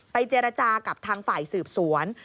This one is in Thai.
เจรจากับทางฝ่ายสืบสวน